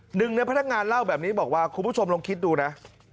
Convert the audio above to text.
หนึ่งในพนักงานเล่าแบบนี้บอกว่าคุณผู้ชมลองคิดดูนะ